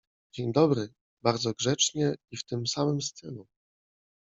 — Dzień dobry — bardzo grzecznie i w tym samym stylu.